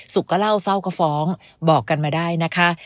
เล่าเศร้าก็ฟ้องบอกกันมาได้นะคะ